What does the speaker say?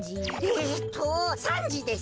えっと３じです。